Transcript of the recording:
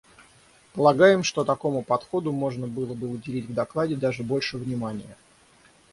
Полагаем, что такому подходу можно было бы уделить в докладе даже больше внимания.